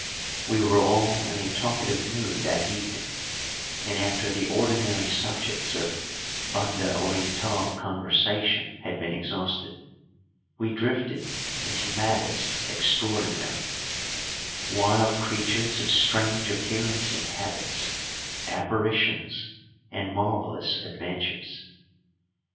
We were all in a talkative mood that evening, and after the ordinary subjects of Banda Orientál conversation had been exhausted, we drifted into matters extraordinary wild creatures of strange appearance and habits, apparitions, and marvellous adventures.